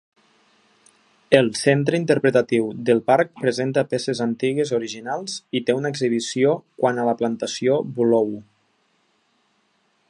El centre interpretatiu del parc presenta peces antigues originals i té una exhibició quant a la Plantació Bulow.